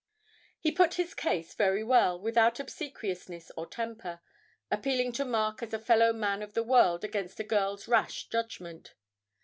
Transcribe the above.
He put his case very well, without obsequiousness or temper, appealing to Mark as a fellow man of the world against a girl's rash judgment.